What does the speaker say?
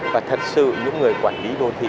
và thật sự những người quản lý đô thị